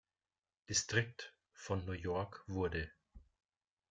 Distrikt von New York wurde.